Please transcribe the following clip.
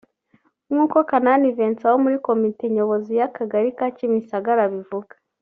nk’uko Kanani Vincent wo muri komite nyobozi y’Akagari ka Kimisagara abivuga